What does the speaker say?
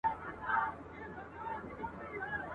د کارګه په مخ کي وکړې ډیري غوري ..